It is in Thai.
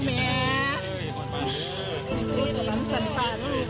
สันติป่ะสันติป่ะ